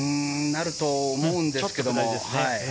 なると思うんですけどね。